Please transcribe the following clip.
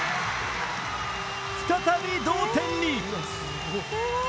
再び同点に。